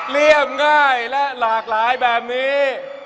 เรียบง่ายและหลากหลายแบบนี้